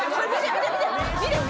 見て！